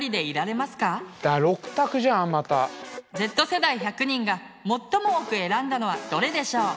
Ｚ世代１００人が最も多く選んだのはどれでしょう。